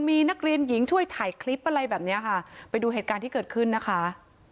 มีนักเรียนหญิงช่วยถ่ายคลิปอะไรแบบเนี้ยค่ะไปดูเหตุการณ์ที่เกิดขึ้นนะคะ